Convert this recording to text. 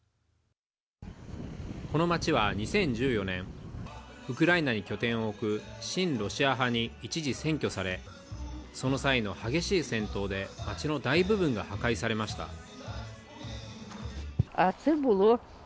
この街は２０１４年、ウクライナに拠点を置く親ロシア派に一時占拠され、その際の激しい戦闘で街の大部分が破壊されました。